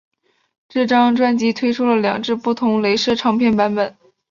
这张专辑推出了两只不同雷射唱片版本。